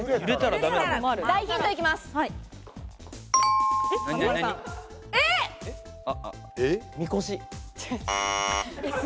大ヒント行きます。